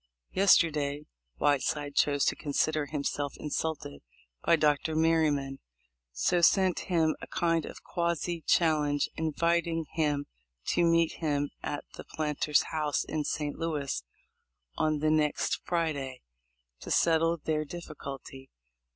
Yesterday Whiteside chose to consider himself insulted by Dr. Merryman, so sent him a kind of quasi challenge invit ing him to meet him at the Planter's House in St. Louis, on the next Friday, to settle their difficulty.